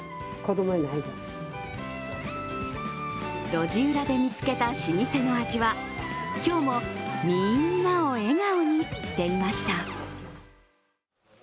路地裏で見つけた老舗の味は今日もみんなを笑顔にしていました。